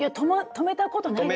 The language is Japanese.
止めたことないです。